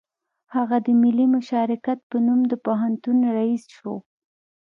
هغه د ملي مشارکت په نوم د پوهنتون رییس شو